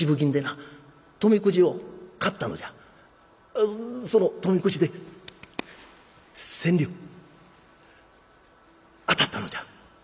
うんその富くじで千両当たったのじゃ」。